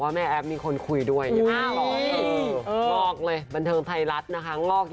ห้าไม่ใช่ยังไม่มีแฟนค่ะ